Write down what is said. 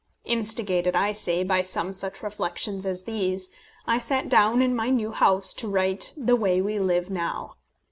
Instigated, I say, by some such reflections as these, I sat down in my new house to write The Way We Live Now.